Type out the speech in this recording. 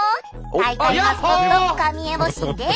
大会マスコット神エボ神です。